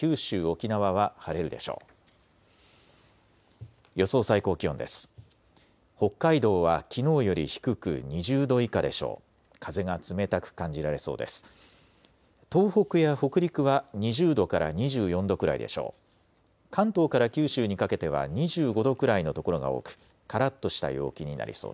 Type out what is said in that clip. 東北や北陸は２０度から２４度くらいでしょう。